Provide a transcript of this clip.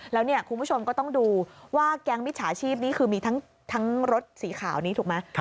แล้วเนี่ยคุณผู้ชมก็ต้องดูว่าแก๊งมิจฉาชีพนี้คือมีทั้งรถสีขาวนี้ถูกไหม